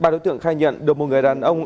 ba đối tượng khai nhận được một người đàn ông